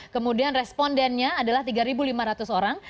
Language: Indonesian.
kemudian respondennya adalah tiga lima ratus orang